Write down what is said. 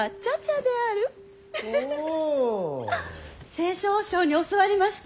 西笑和尚に教わりました。